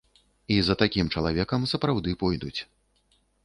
І за такім чалавекам сапраўды пойдуць.